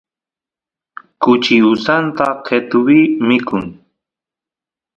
kuchi usanta qetuvi mikun